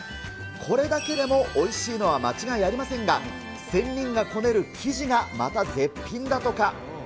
これだけでもおいしいのは間違いありませんが、仙人がこねる生地が、また絶品だとか。